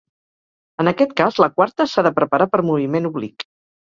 En aquest cas, la quarta s'ha de preparar per moviment oblic.